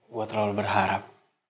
gue terlalu berharap